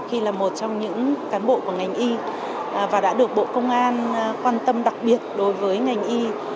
khi là một trong những cán bộ của ngành y và đã được bộ công an quan tâm đặc biệt đối với ngành y